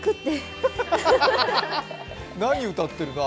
何歌ってるの？